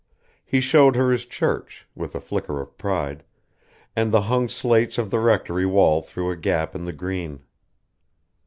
He showed her his church, with a flicker of pride, and the hung slates of the Rectory wall through a gap in the green.